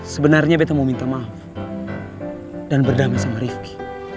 sebenarnya beta mau minta maaf dan berdamai sama rifqi